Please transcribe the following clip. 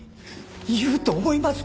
言うと思いますか？